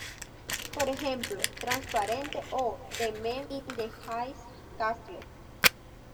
Por ejemplo "Transparente" o "The Man in the High Castle".